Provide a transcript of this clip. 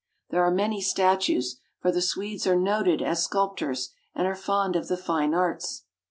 There are many statues ; for the Swedes are noted as sculptors, and are fond of the fine arts.